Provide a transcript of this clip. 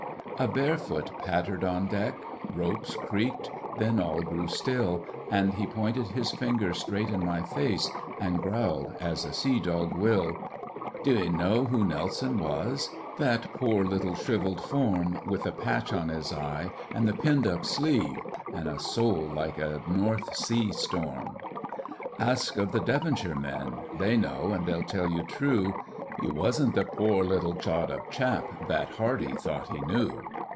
A bare foot pattered on deck; Ropes creaked; then all grew still, And he pointed his finger straight in my face And growled, as a sea dog will. "Do' ee know who Nelson was? That pore little shrivelled form With the patch on his eye and the pinned up sleeve And a soul like a North Sea storm? "Ask of the Devonshire men! They know, and they'll tell you true; He wasn't the pore little chawed up chap That Hardy thought he knew.